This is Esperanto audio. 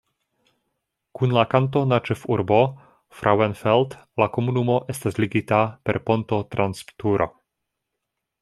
Kun la kantona ĉefurbo Frauenfeld la komunumo estas ligita per ponto trans Turo.